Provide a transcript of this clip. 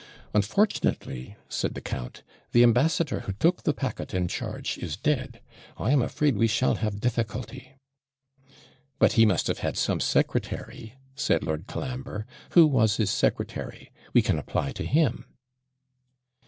'Unfortunately,' said the count, 'the ambassador who took the packet in charge is dead. I am afraid we shall have difficulty.' 'But he must have had some secretary,' said Lord Colambre; 'who was his secretary? we can apply to him.'